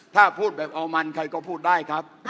ถ้าพูดแบบเอามันใครก็พูดได้ครับ